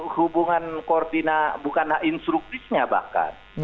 hubungan koordinat bukanlah instruktifnya bahkan